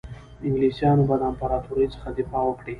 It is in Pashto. انګلیسیان به د امپراطوري څخه دفاع وکړي.